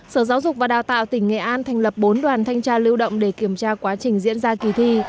sở giáo dục và đào tạo tỉnh nghệ an thành lập bốn đoàn thanh tra lưu động để kiểm tra quá trình diễn ra kỳ thi